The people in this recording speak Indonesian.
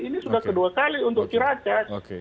ini sudah kedua kali untuk ciracas